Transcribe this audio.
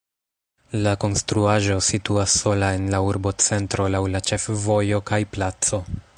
La konstruaĵo situas sola en la urbocentro laŭ la ĉefvojo kaj placo.